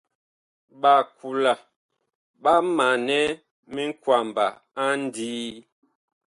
Ɓakula ɓa manɛ minkwaba a ndii.